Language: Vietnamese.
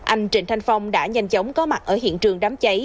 anh trịnh thanh phong đã nhanh chóng có mặt ở hiện trường đám cháy